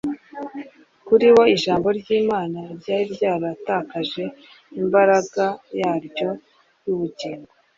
Kuri bo Ijambo ry'Imana ryari ryaratakaje imbaraga yaryo y'ubugingo.